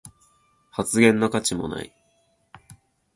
発言の価値もない